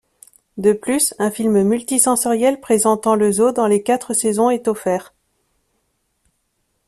De plus, un film multi-sensoriel présentant le Zoo dans les quatre saisons est offert.